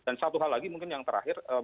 dan satu hal lagi mungkin yang terakhir